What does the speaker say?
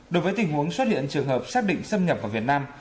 đối với tình huống xuất hiện trường hợp xác định xâm nhập vào việt nam